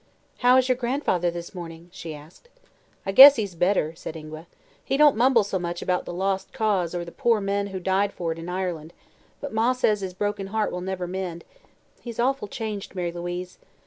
"How is your grandfather this morning?" she asked. "I guess he's better," said Ingua. "He don't mumble so much about the Lost Cause or the poor men who died for it in Ireland, but Ma says his broken heart will never mend. He's awful changed, Mary Louise.